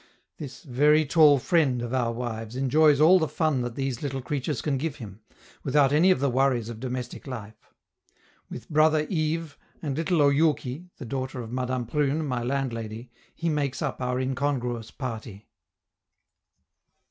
This "very tall friend" of our wives enjoys all the fun that these little creatures can give him, without any of the worries of domestic life. With brother Yves, and little Oyouki (the daughter of Madame Prune, my landlady), he makes up our incongruous party.